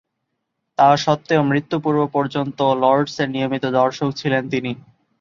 তাস্বত্ত্বেও মৃত্যু পূর্ব-পর্যন্ত লর্ডসের নিয়মিত দর্শক ছিলেন তিনি।